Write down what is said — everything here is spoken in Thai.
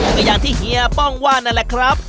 ก็อย่างที่เหี้ยต้องกลับก่อนนั่นแหละครับ